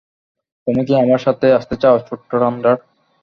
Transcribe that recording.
তুমি কি আমার সাথে আসতে চাও, ছোট্ট থান্ডার?